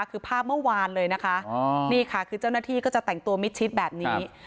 คือภาพเมื่อวานเลยนะคะนี่ค่ะคือเจ้าหน้าที่ก็จะแต่งตัวมิดชิดแบบนี้